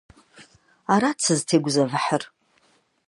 Арат сызытегузэвыхьыр.